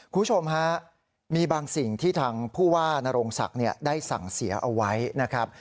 คุณผู้ชมฮะมีบางสิ่งที่ทางผู้ว่านโรงศักดิ์ได้สั่งเสียเอาไว้นะครับ